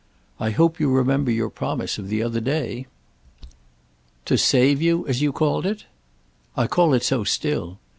"I hope you remember your promise of the other day." "To 'save' you, as you called it?" "I call it so still.